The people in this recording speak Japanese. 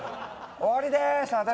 終わりです。